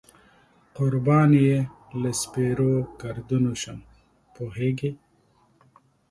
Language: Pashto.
قربان یې له سپېرو ګردونو شم، پوهېږې.